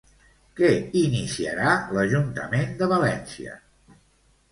Què iniciarà l'Ajuntament de València?